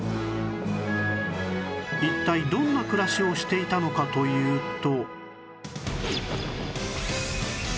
一体どんな暮らしをしていたのかというと